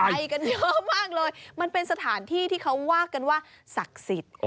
ไปกันเยอะมากเลยมันเป็นสถานที่ที่เขาว่ากันว่าศักดิ์สิทธิ์